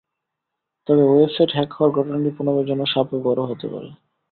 তবে website hack হওয়ার ঘটনাটি পুনমের জন্য শাপে বরও হতে পারে।